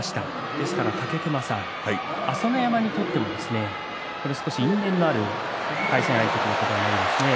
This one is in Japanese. ですから武隈さん朝乃山にとっても少し因縁のある対戦相手ということになりますね。